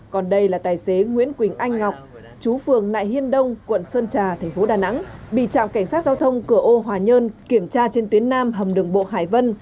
còn đây là tài xế nguyễn quỳnh anh ngọc chú phường nại hiên đông quận sơn trà thành phố đà nẵng bị trạm cảnh sát giao thông cửa ô hòa nhơn kiểm tra trên tuyến nam hầm đường bộ hải vân